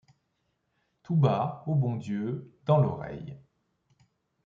Tout bas, au bon Dieu, . dans l'oreille